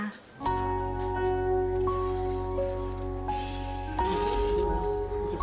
seterusnya ujian sedikit